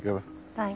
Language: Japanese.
はい。